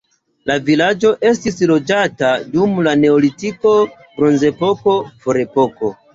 La vilaĝo estis loĝata dum la neolitiko, bronzepoko, ferepoko.